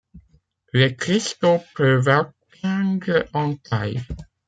Les cristaux peuvent atteindre en taille.